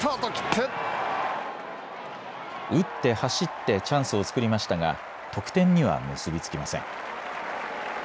打って、走って、チャンスを作りましたが得点には結び付きません。